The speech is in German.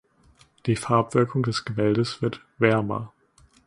Die Farbwirkung des Gemäldes wird „wärmer“.